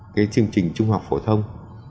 cái chương trình trung học phổ thông